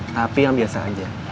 tapi yang biasa aja